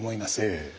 ええ。